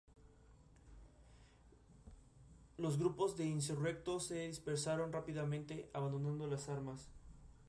Los grupos de insurrectos se dispersaron rápidamente, abandonando las armas.